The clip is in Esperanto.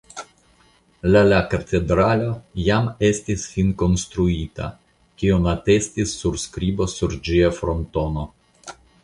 La la katedralo jam estis finkonstruita kion atestis surskribo sur ĝia frontono.